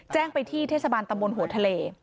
แจ้งไปที่เทศบาลตำบลหัวทะเล